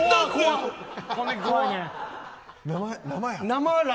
生や。